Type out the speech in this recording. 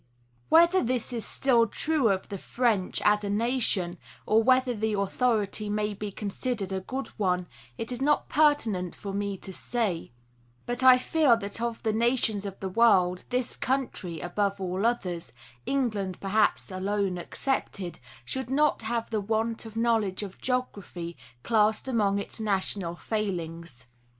Whether this is still true of the French, as a nation, or whether the authority may be considered a good one, it is not pertinent for me here to say ; but I feel that of the nations of the world, this country, above all others (England, perhaps, alone excepted), should not have the want of knowledge of geography classed among its national failings.